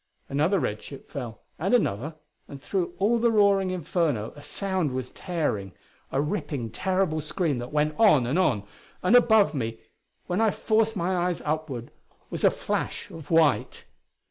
Another red ship fell and another; and through all the roaring inferno a sound was tearing a ripping, terrible scream that went on and on. And above me, when I forced my eyes upward, was a flash of white.